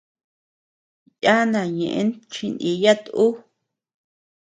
Yánaa ñeʼën chiniiyat uu.